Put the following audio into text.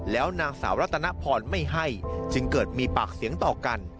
แล้วนางสาวรัตนพรไม่ให้จึงเกิดมีปากเสียงต่อกัน